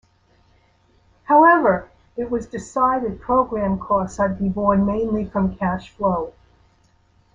However, it was decided programme costs are to be borne mainly from cash-flow.